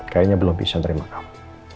kayaknya belum bisa terima kamu